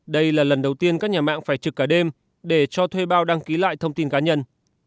đây là lần đầu tiên các nhà mạng phải trực cả đêm để cho thuê bao đăng ký lại thông tin cá nhân